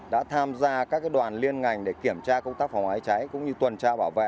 đã tham gia các đoàn liên ngành để kiểm tra công tác phòng cháy cháy cũng như tuần tra bảo vệ